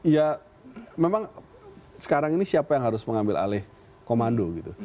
ya memang sekarang ini siapa yang harus mengambil alih komando gitu